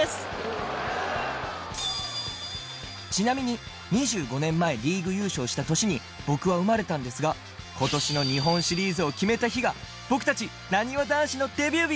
ちなみに２５年前リーグ優勝した年に僕は生まれたんですが今年の日本シリーズを決めた日が僕たちなにわ男子のデビュー日！